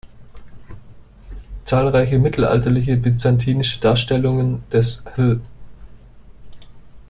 Zahlreiche mittelalterliche byzantinische Darstellungen des hl.